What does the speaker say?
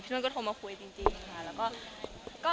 พี่นุ่นก็โทรมาคุยจริง